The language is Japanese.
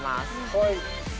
はい。